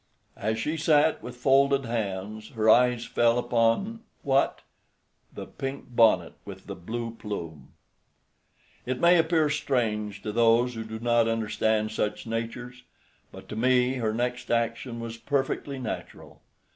As she sat with folded hands her eyes fell upon—what? The pink bonnet with the blue plume! It may appear strange to those who do not understand such natures, but to me her next action was perfectly natural.